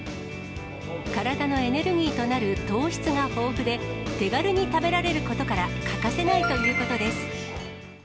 体のエネルギーとなる糖質が豊富で、手軽に食べられることから、欠かせないということです。